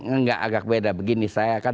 enggak agak beda begini saya kan